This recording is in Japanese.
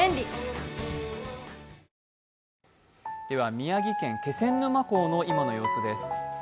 宮城県・気仙沼港の今の様子です。